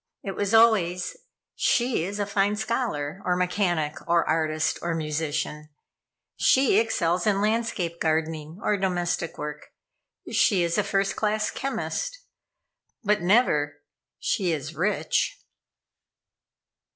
It was always: "She is a fine scholar, or mechanic, or artist, or musician. She excels in landscape gardening, or domestic work. She is a first class chemist." But never "She is rich."